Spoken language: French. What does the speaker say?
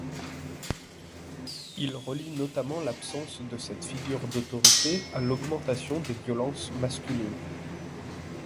Il relie notamment l'absence de cette figure d'autorité à l'augmentation des violences masculines.